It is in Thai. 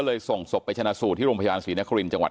เลยส่งศพไปฉณสูตที่โรงพยาณศรีนครินจังหวัด